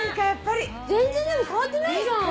全然でも変わってないじゃん。